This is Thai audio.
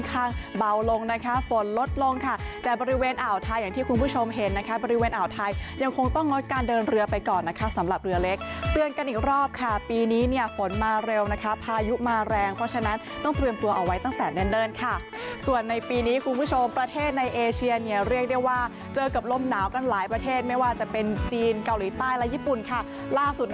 ของไทยยังคงต้องงดการเดินเรือไปก่อนนะคะสำหรับเรือเล็กเตือนกันอีกรอบค่ะปีนี้เนี่ยฝนมาเร็วนะคะพายุมาแรงเพราะฉะนั้นต้องเตรียมตัวเอาไว้ตั้งแต่เนิ่นค่ะส่วนในปีนี้คุณผู้ชมประเทศในเอเชียเนี่ยเรียกได้ว่าเจอกับลมหนาวกันหลายประเทศไม่ว่าจะเป็นจีนเกาหลีใต้และญี่ปุ่นค่ะล่าสุด